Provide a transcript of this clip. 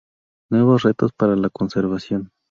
Nuevos retos para la conservación".